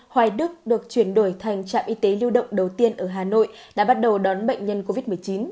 hoài đức được chuyển đổi thành trạm y tế lưu động đầu tiên ở hà nội đã bắt đầu đón bệnh nhân covid một mươi chín